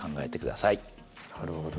なるほど。